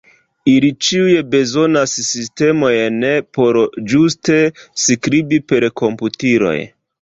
Ili ĉiuj bezonas sistemojn por ĝuste skribi per komputiloj.